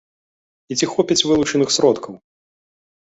І ці хопіць вылучаных сродкаў?